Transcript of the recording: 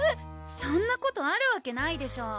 そんなことあるわけないでしょう